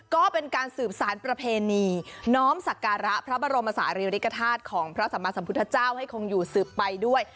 ก็เป็นการสืบสารประเพณีน้อมสักการะพระบรมศาลีริกฐาตุของพระสัมมาสัมพุทธเจ้าให้คงอยู่สืบไปด้วย